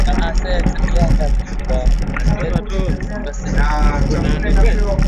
Wahehe waliokuwepo Kikasafishwa katika hospitali na kutumwa Berlin kilipohifadhiwa katika makumbusho awali Berlin na